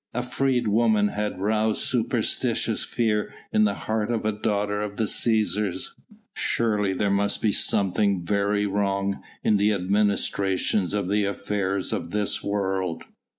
A freedwoman had roused superstitious fear in the heart of a daughter of the Cæsars! Surely there must be something very wrong in the administration of the affairs of this world.